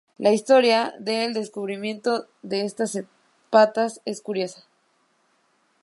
La historia del descubrimiento de estas patas es curiosa.